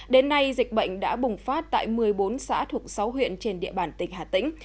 đến nay dịch bệnh đã bùng phát tại một mươi bốn xã thuộc sáu huyện trên địa bàn tỉnh hà tĩnh